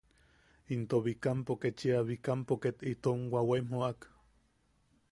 Into Bikampo, kechia Bikampo ket itom wawaim joʼak.